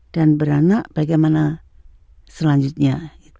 dan beranak bagaimana selanjutnya